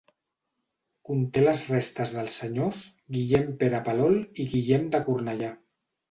Conté les restes dels senyors Guillem Pere Palol i Guillem de Cornellà.